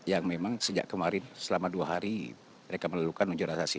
yang memang sejak kemarin selama dua hari mereka melalukan unjur asas ini